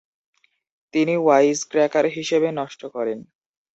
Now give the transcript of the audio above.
তিনি "ওয়াইজক্র্যাকার" হিসেবে নষ্ট করেন।